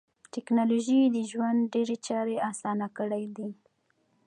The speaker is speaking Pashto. ټکنالوژي د ژوند ډېری چارې اسانه کړې دي.